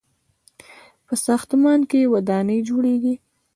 په ساختمان کې ودانۍ جوړیږي.